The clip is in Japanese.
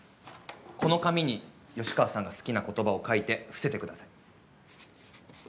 この紙に吉川さんが好きな言葉を書いて伏せてください。